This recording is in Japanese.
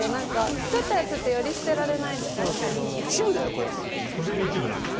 作ってるやつって、より捨てられないんだよね。